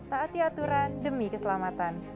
taati aturan demi keselamatan